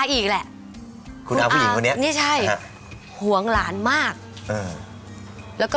งั้นก็ไปบอกของรักษาแรก